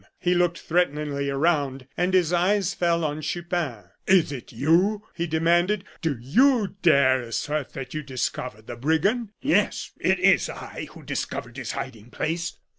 He looked threateningly around, and his eyes fell on Chupin. "Is it you?" he demanded. "Do you dare to assert that you discovered the brigand?" "Yes, it was I who discovered his hiding place."